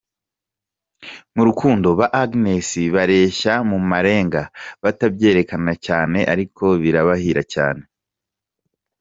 Mu rukundo ba Agnes bareshya mu marenga batabyerekana cyane ariko birabahira cyane.